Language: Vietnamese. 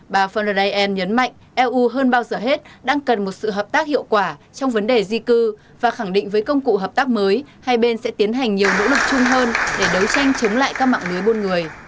bà von der leyen nhấn mạnh eu hơn bao giờ hết đang cần một sự hợp tác hiệu quả trong vấn đề di cư và khẳng định với công cụ hợp tác mới hai bên sẽ tiến hành nhiều nỗ lực chung hơn để đấu tranh chống lại các mạng lưới buôn người